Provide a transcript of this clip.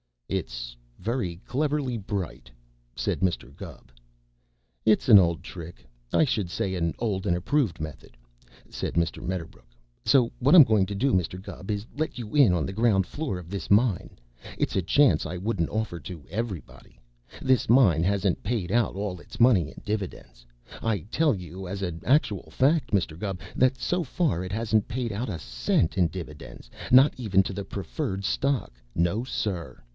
"It's very cleverly bright," said Mr. Gubb. "It's an old trick I should say an old and approved method," said Mr. Medderbrook. "So what I'm going to do, Mr. Gubb, is to let you in on the ground floor on this mine. It's a chance I wouldn't offer to everybody. This mine hasn't paid out all its money in dividends. I tell you as an actual fact, Mr. Gubb, that so far it hasn't paid out a cent in dividends, not even to the preferred stock. No, sir!